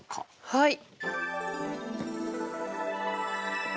はい。